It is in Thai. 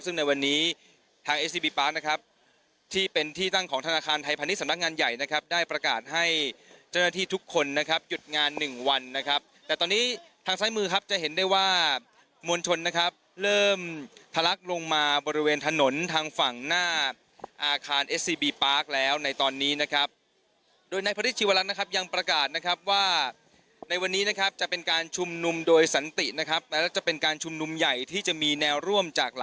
นะครับที่เป็นที่ตั้งของธนาคารไทยพันธุ์สำนักงานใหญ่นะครับได้ประกาศให้เจ้าหน้าที่ทุกคนนะครับหยุดงานหนึ่งวันนะครับแต่ตอนนี้ทางซ้ายมือครับจะเห็นได้ว่ามวลชนนะครับเริ่มทะลักลงมาบริเวณถนนทางฝั่งหน้าอาคารเอสซีบีปาร์คแล้วในตอนนี้นะครับโดยนายพระฤทธิชีวรัตน์นะครับยังประกาศนะครับว่